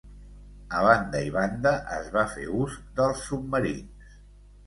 A banda i banda es va fer ús dels submarins.